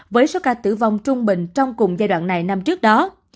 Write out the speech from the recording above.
với số ca tử vong trung bình trong cùng giai đoạn này năm trước đó